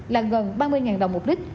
là gần ba mươi đồng một lít